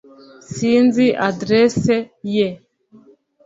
sinzi adresse ye